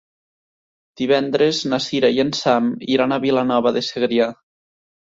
Divendres na Sira i en Sam iran a Vilanova de Segrià.